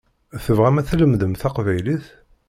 Tebɣam ad tlemdem taqbaylit?